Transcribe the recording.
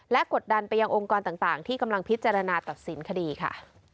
และกดดันไปยังองค์กรต่างที่กำลังพิจารณาตัดสินคดีค่ะ